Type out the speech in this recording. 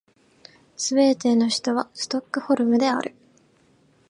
スウェーデンの首都はストックホルムである